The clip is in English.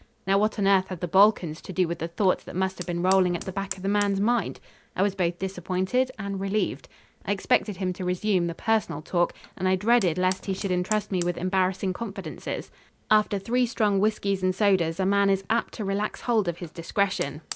Now what on earth had the Balkans to do with the thoughts that must have been rolling at the back of the man's mind? I was both disappointed and relieved. I expected him to resume the personal talk, and I dreaded lest he should entrust me with embarrassing confidences. After three strong whiskies and sodas a man is apt to relax hold of his discretion....